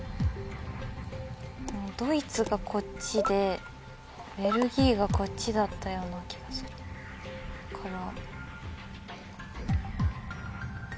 ドイツがこっちでベルギーがこっちだったような気がするから。